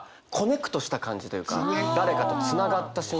誰かとつながった瞬間。